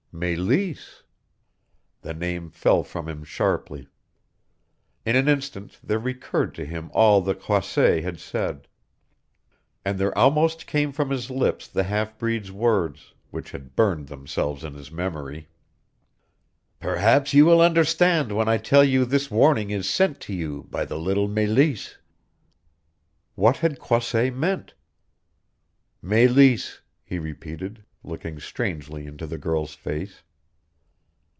"Meleese!" The name fell from him sharply. In an instant there recurred to him all that Croisset had said, and there almost came from his lips the half breed's words, which had burned themselves in his memory, "Perhaps you will understand when I tell you this warning is sent to you by the little Meleese." What had Croisset meant? "Meleese," he repeated, looking strangely into the girl's face.